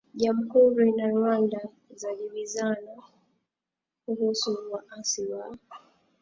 Jamhuri na Rwanda zajibizana kuhusu waasi wa